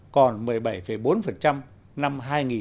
còn một mươi bảy bốn năm hai nghìn một mươi